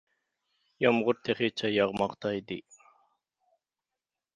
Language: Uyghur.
يامغۇر تېخىچە ياغماقتا ئىدى.